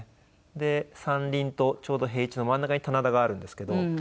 で山林とちょうど平地の真ん中に棚田があるんですけど。